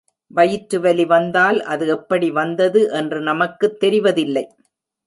வயிற்று வலி வந்தால் அது எப்படி வந்தது என்று நமக்குத் தெரிவதில்லை.